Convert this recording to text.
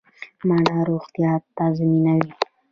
مڼه روغتیا تضمینوي